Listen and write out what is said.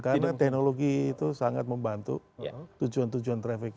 karena teknologi itu sangat membantu tujuan tujuan trafficking